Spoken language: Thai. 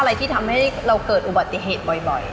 อะไรที่ทำให้เราเกิดอุบัติเหตุบ่อย